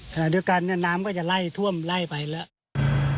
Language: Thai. ขณะเดียวกันเนี่ยน้ำก็จะไล่ท่วมไล่ไปแล้ว